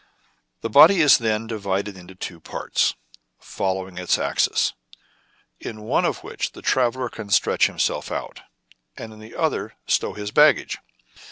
The body is, then, divided into two parts, following its axis, in one of which the traveller can stretch himself out, and in the other stow his baggage.